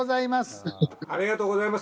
ありがとうございます。